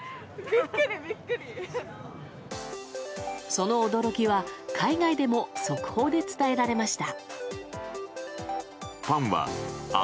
その驚きは海外でも速報で伝えられました。